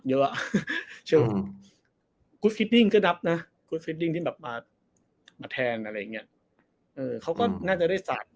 เยอะอ่ะคุณก็นับนะที่แบบมามาแทนอะไรอย่างเงี้ยเออเขาก็น่าจะได้สาย